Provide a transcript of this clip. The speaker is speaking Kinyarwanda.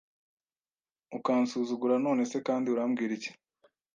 ukansuzugura none se kandi urambwira iki